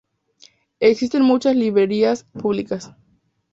Existen muchas librerías públicas.